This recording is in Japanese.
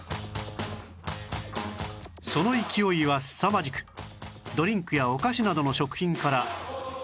その勢いはすさまじくドリンクやお菓子などの食品から